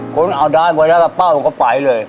คนเอาด้านไว้แล้วก็เป้าลงเข้าไปเลย